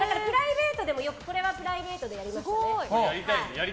これはプライベートでやりましたね。